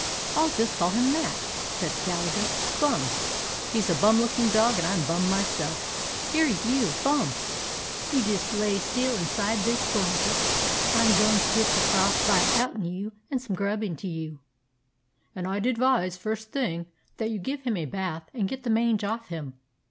"I'll just call him that," said Gallagher; "Bum. He 's a bum looking dog, and I 'm bum myself. Here, you Bum, you jest lay still inside this blanket. I 'm goin' to git the frost bite out'n you and some grub into you." "And I 'd advise, first thing, that you give him a bath and get the mange off him.